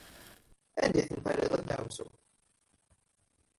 Sanda i ten-terriḍ, a ddeɛwessu?